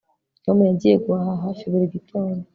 Tom yagiye guhaha hafi buri gitondo